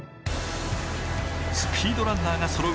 スピードランナーがそろう